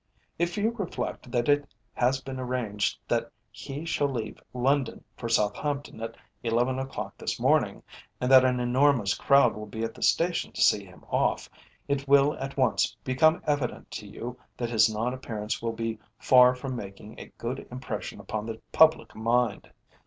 If you reflect that it has been arranged that he shall leave London for Southampton at eleven o'clock this morning, and that an enormous crowd will be at the station to see him off, it will at once become evident to you that his non appearance will be far from making a good impression upon the public mind."